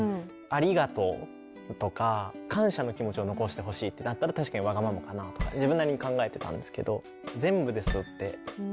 ありがとうとか感謝の気持ちを残してほしいってなったら確かにわがままかなとか自分なりに考えてたんですけど「全部です」って。